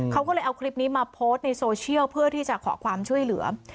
เขาก็เลยเอาคลิปนี้มาโพสต์ในโซเชียลเพื่อที่จะขอความช่วยเหลือ